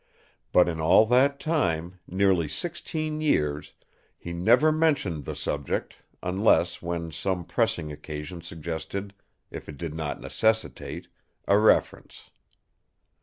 But in all that time, nearly sixteen years, he never mentioned the subject, unless when some pressing occasion suggested, if it did not necessitate, a reference.